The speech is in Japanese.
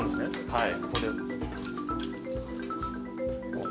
はい。